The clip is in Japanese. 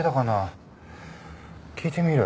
聞いてみる。